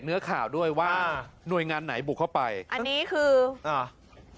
เนื้อข่าวด้วยว่าหน่วยงานไหนบุกเข้าไปอันนี้คืออ่า